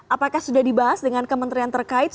apakah sudah dibahas dengan kementerian terkait